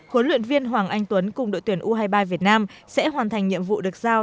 huấn luyện viên hoàng anh tuấn cùng đội tuyển u hai mươi ba việt nam sẽ hoàn thành nhiệm vụ được giao